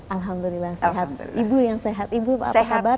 alhamdulillah sehat ibu yang sehat ibu apa kabar